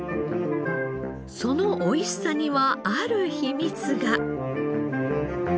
そのおいしさにはある秘密が。